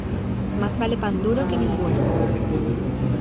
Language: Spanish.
Más vale pan duro que ninguno.